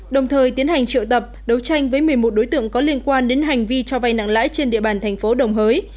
đồng thời tiến hành triệu tập đấu tranh với một mươi một đối tượng có liên quan đến hành vi cho vay nặng lãi trên địa bàn thành phố đồng hới